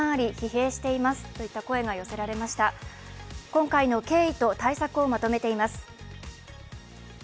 今回の経緯と対策をまとめています。